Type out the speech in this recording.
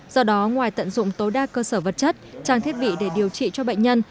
do đó ngoài tận dụng tối đa cơ sở vật chất trang thiết bị để điều trị cho bệnh nhân